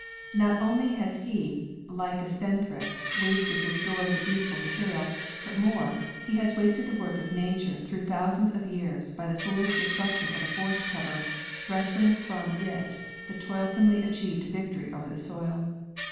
Not only has he, like a spend thrift, wasted his stores of useful material, but more—he has wasted the work of nature through thousands of years by the foolish destruction of the forest cover, wresting from it the toil somely achieved victory over the soil.